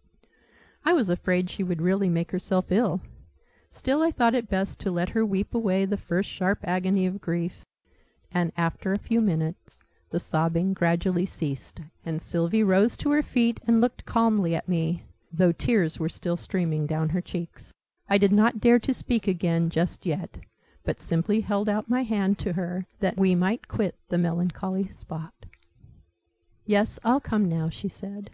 {Image...The dead hare} I was afraid she would really make herself ill: still I thought it best to let her weep away the first sharp agony of grief: and, after a few minutes, the sobbing gradually ceased, and Sylvie rose to her feet, and looked calmly at me, though tears were still streaming down her cheeks. I did not dare to speak again, just yet; but simply held out my hand to her, that we might quit the melancholy spot. Yes, I'll come now, she said.